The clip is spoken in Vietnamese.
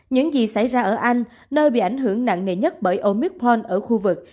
những gì xảy ra ở anh nơi bị ảnh hưởng nặng nề nhất bởi omicron ở khu vực